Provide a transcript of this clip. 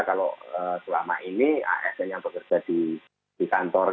kalau selama ini asn yang bekerja di kantor